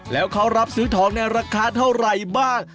แล้วเขารับซื้อทองในราคาเท่าไหร่บ้าง